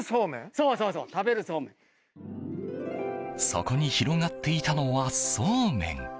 そこに広がっていたのはそうめん。